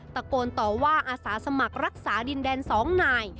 ตะโกนต่อว่าอาสาสมัครรักษาดินแดน๒นาย